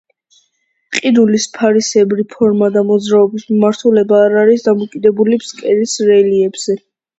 ყინულის ფარისებრი ფორმა და მოძრაობის მიმართულება არ არის დამოკიდებული ფსკერის რელიეფზე.